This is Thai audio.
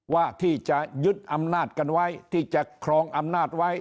ว่าที่จะยึดอำนาจกันไว้ที่จะครองอำนาจไว้